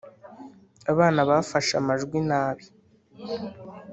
abana bafashe amajwi nabi